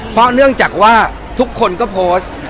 แต่ว่าทุกคนก็โพสต์